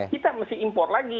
kita masih impor lagi